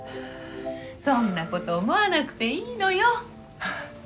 そんなこと思わなくていいのよ。